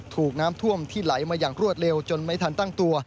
ถูกน้ำท่วมที่ไหลมาอย่างรวดเร็วจนไม่ทันตั้งตัว